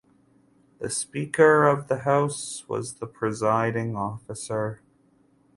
The Speaker of the House was the presiding officer.